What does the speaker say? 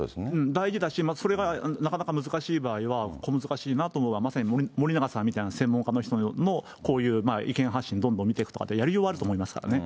大事だし、それがなかなか難しい場合は、小難しいなと思うのは、まさに森永さんみたいな専門家の人のこういう意見発信、どんどん見てくとか、やりようはあると思いますからね。